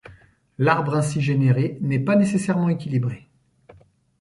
L'arbre ainsi généré n'est pas nécessairement équilibré.